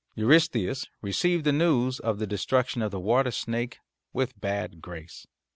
Eurystheus received the news of the destruction of the water snake with bad grace.